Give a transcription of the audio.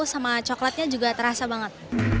sama coklatnya juga terasa banget